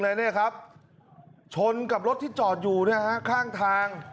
เนี่ยครับชนกับรถที่จอดอยู่นะฮะข้างทาง